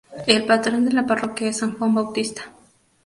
El patrón de la parroquia es San Juan Bautista.